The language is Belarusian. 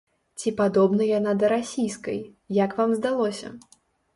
Ці падобна яна да расійскай, як вам здалося?